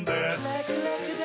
ラクラクだ！